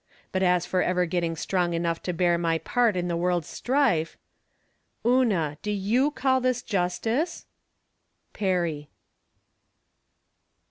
But as for ever getting strong enough to bear my part in the world's strife Una, do you call this justice ! Pebet.